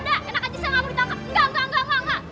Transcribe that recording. kenapa aja saya nggak boleh tangkap